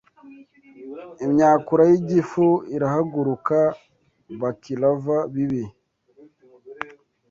Imyakura y’igifu irahaguruka baklava bibi